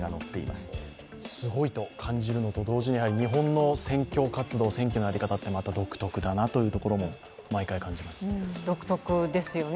すごいと感じるのと同時にやはり日本の選挙活動、選挙のやり方はまた独特だなと毎回感じます。